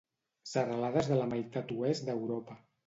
Serralades de la meitat oest d'Europa.